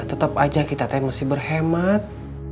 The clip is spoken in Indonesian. tetep aja kita teh mesti berhemat